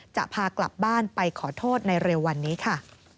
จะพากลับบ้านไปขอโทษในเร็ววันนี้ค่ะ